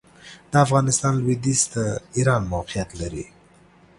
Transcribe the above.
د افغانستان لوېدیځ ته ایران موقعیت لري.